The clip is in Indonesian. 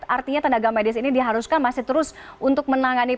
artinya tenaga medis ini diharuskan masih terus untuk menangani